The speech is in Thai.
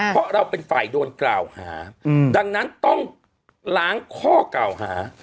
เพราะเราเป็นฝ่ายโดนกล่าวหาดังนั้นต้องล้างข้อกล่าวหา